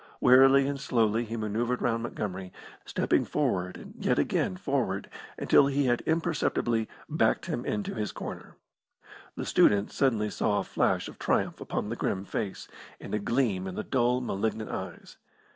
Warily and slowly he manoeuvred round Montgomery, stepping forward and yet again forward until he had imperceptibly backed him into his corner. The student suddenly saw a flash of triumph upon the grim face, and a gleam in the dull, malignant eyes.